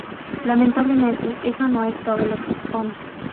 Lamentablemente, eso no es todo lo que expone.